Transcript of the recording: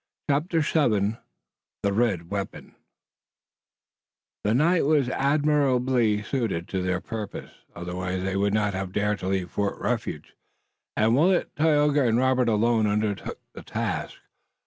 CHAPTER VII THE RED WEAPON The night was admirably suited to their purpose otherwise they would not have dared to leave Fort Refuge and Willet, Tayoga and Robert alone undertook the task.